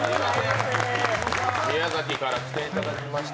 宮崎から来ていただきました。